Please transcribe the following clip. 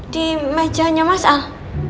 di meja nya mas al